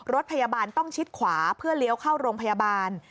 รถพยาบาลต้องชิดขวาเพื่อเลี้ยวเข้าโรงพยาบาล